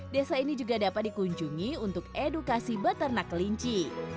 desa ini juga dapat dikunjungi untuk edukasi beternak kelinci